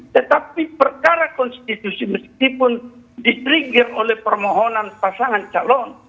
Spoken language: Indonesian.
tetapi perkara konstitusi meskipun diterigir oleh permohonan pasangan